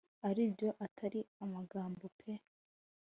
aribyo atari amagambo pe